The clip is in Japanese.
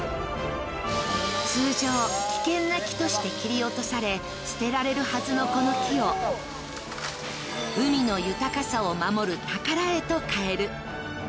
通常、危険な木として切り落とされ捨てられるはずのこの木を海の豊かさを守る宝へと変える。